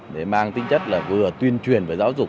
để mang tính chất là vừa tuyên truyền về giáo dục